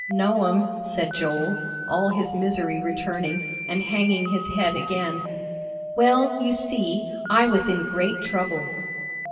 "No'm," said Joel, all his misery returning, and hanging his head again. "Well, you see, I was in great trouble."